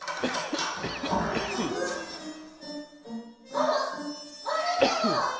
あっあなたは！